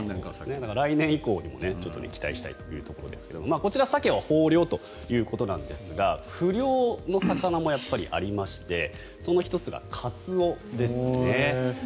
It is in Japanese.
来年以降にも期待したいところですがこちらサケの豊漁ということですが不漁の魚もありましてその１つがカツオですね。